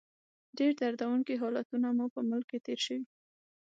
ډېر دردونکي حالتونه مو په ملک کې تېر شوي.